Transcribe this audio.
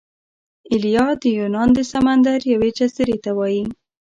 ایلیا د یونان د سمندر یوې جزیرې ته وايي.